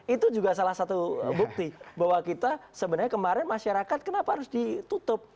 itu juga salah satu bukti bahwa kita sebenarnya kemarin masyarakat kenapa harus ditutup